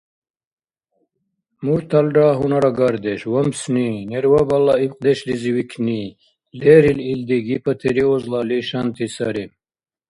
Мурталра гьунарагардеш, вамсни, нервабала ибкьдешлизи викни — лерил илди гипотиреозла лишанти сари.